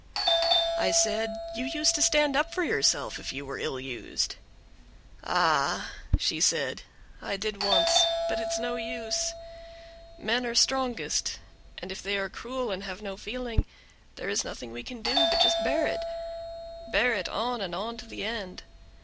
I said, "You used to stand up for yourself if you were ill used." "Ah!" she said, "I did once, but it's no use; men are strongest, and if they are cruel and have no feeling, there is nothing that we can do, but just bear it bear it on and on to the end.